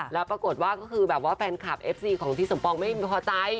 แล้วปรากฏว่าก็คือแบบว่าแฟนคลับเอฟซีของพี่สมปองไม่พอใจ